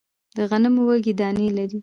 د غنمو وږی دانې لري